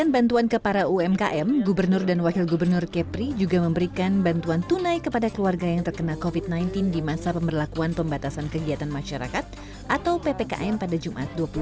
bantuan ini diberikan untuk membantu warga akibat terkena dampak di masa ppkm